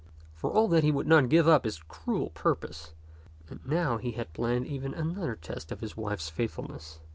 For all that he would not give up his cruel purpose ; and now he had planned even another test of his wife's faithfulness.